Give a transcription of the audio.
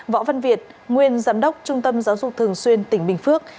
võ văn việt nguyên giám đốc trung tâm giáo dục thường xuyên tỉnh bình phước